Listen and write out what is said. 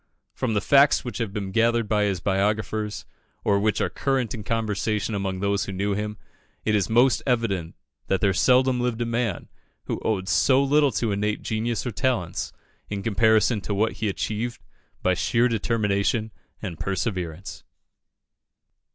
From the facts which have been gathered by his biographers, or which are current in conversation among those who knew him, it is most evident that there seldom lived a man who owed so little to innate genius or talents, in comparison to what he achieved by sheer determination and perseverance.